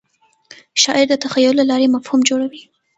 شاعر د تخیل له لارې مفهوم جوړوي.